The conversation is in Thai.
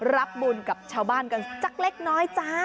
รับบุญกับชาวบ้านกันสักเล็กน้อยจ้า